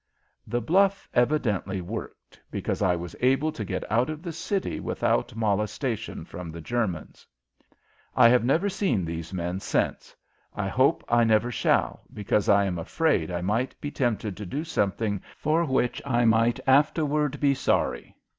The bluff evidently worked, because I was able to get out of the city without molestation from the Germans. I have never seen these men since. I hope I never shall, because I am afraid I might be tempted to do something for which I might afterward be sorry.